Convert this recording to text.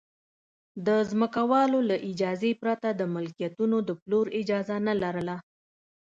د ځمکوالو له اجازې پرته د ملکیتونو د پلور اجازه نه لرله